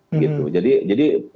jadi yang dulu dilakukan ini